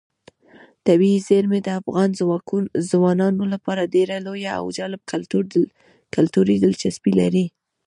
طبیعي زیرمې د افغان ځوانانو لپاره ډېره لویه او جالب کلتوري دلچسپي لري.